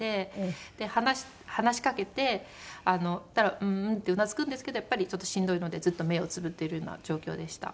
で話しかけたら「うんうん」ってうなずくんですけどやっぱりちょっとしんどいのでずっと目をつぶっているような状況でした。